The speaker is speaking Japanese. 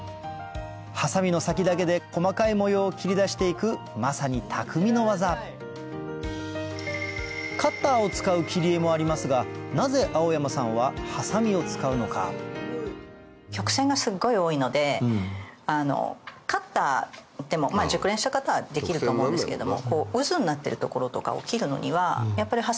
ハサミの先だけで細かい模様を切り出していくまさに匠の技カッターを使う切り絵もありますが蒼山さんは曲線がすごい多いのでカッターでも熟練した方はできると思うんですけども。